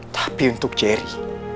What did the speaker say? tapi untuk jerry